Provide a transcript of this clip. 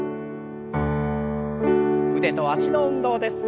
腕と脚の運動です。